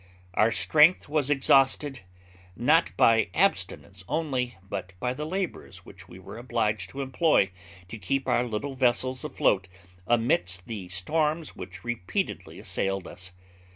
Our strength was exhausted, not by abstinence only, but by the labours which we were obliged to employ to keep our little vessels afloat amidst the storms which repeatedly assailed us.